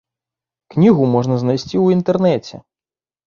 Кнігу можна знайсці ў інтэрнэце.